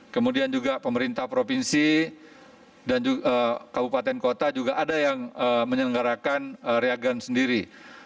kemudian juga pemerintah provinsi dan kabupaten kota juga ada yang menyelenggarakan reagen sendiri